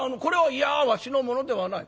「いやわしのものではない。